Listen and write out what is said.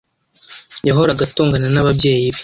Yahoraga atongana n'ababyeyi be.